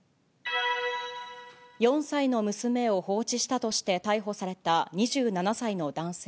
４歳の娘を放置したとして逮捕された２７歳の男性。